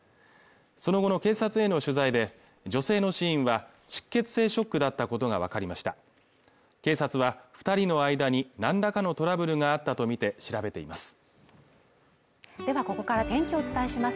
その後の警察への取材で女性の死因は失血性ショックだったことが分かりました警察は二人の間になんらかのトラブルがあったとみて調べていますではここから天気をお伝えします